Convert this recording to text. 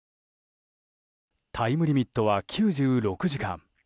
タイムリミットは９６時間。